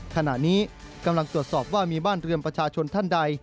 ขณะนี้กำลังตรวจสอบว่ามีบ้านเรือนประชาชนท่านใด